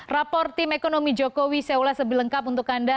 rapor tim ekonomi jokowi seolah sebilengkap untuk anda